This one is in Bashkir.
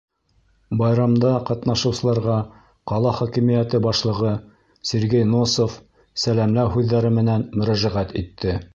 Байрамда ҡатнашыусыларға ҡала хакимиәте башлығы Сергей Носов сәләмләү һүҙҙәре менән мөрәжәғәт итте.